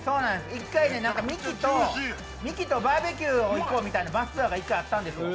一回、ミキとバーベキュー行こうみたいなバスツアーがあったんですよ。